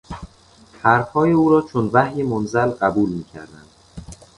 حرفهای او را چون وحی منزل قبول میکردند.